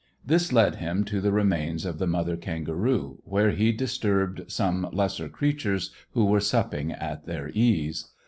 This led him to the remains of the mother kangaroo, where he disturbed some lesser creatures who were supping at their ease.